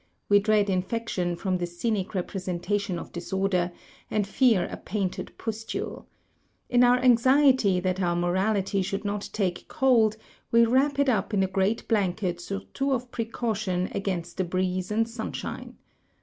We dread infection from the scenic representation of disorder; and fear a painted pustule. In our anxiety that our morality should not take cold, we wrap it up in a great blanket surtout of precaution against the breeze and simshine.